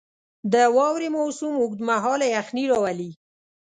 • د واورې موسم اوږد مهاله یخني راولي.